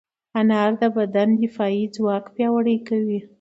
انار د بدن دفاعي ځواک پیاوړی کوي.